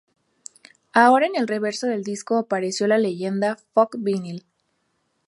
Ahora en el reverso del disco apareció la leyenda "Fuck vinyl".